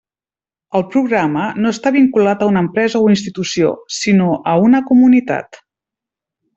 El programa no està vinculat a una empresa o institució, sinó a una comunitat.